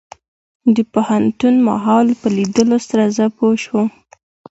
د پوهنتون ماحول په ليدلو سره زه پوه شوم.